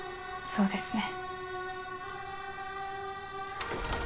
そうですね。